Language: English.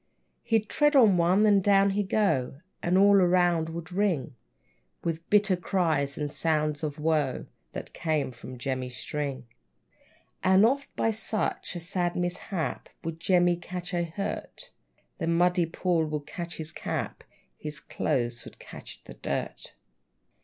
He'd tread on one, then down he'd go, And all around would ring With bitter cries, and sounds of woe, That came from Jemmy String. And oft, by such a sad mishap, Would Jemmy catch a hurt; The muddy pool would catch his cap, His clothes would catch the dirt!